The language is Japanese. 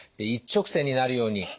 一直線になるように。